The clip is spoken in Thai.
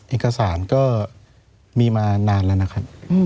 เอกสารก็มีมานานแล้วนะครับ